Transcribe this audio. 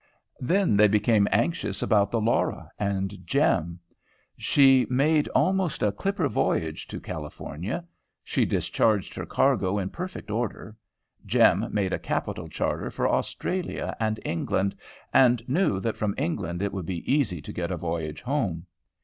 Then they became anxious about the "Laura," and Jem. She made almost a clipper voyage to California. She discharged her cargo in perfect order. Jem made a capital charter for Australia and England, and knew that from England it would be easy to get a voyage home.